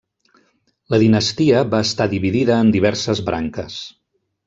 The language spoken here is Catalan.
La dinastia va estar dividida en diverses branques.